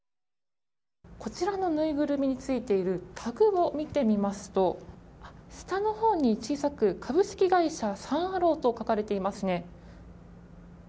こちらのぬいぐるみに付いているタグを見てみますと下のほうに小さく株式会社サン・アローと書かれていますね。